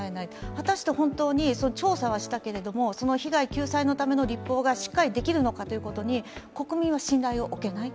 果たして本当に調査はしたけれども、被害救済のための立法がしっかりできるのかということに国民は信頼を置けない。